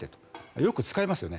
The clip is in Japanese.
よく使いますよね。